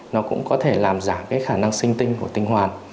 nó cũng có thể làm giảm cái khả năng sinh tinh của tinh hoàn